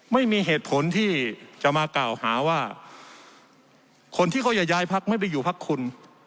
ไม่มีเหตุผลที่จะมากล่าวหาว่าคนที่เขาจะย้ายพักไม่ไปอยู่พักคุณ